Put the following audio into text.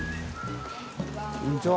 こんにちは。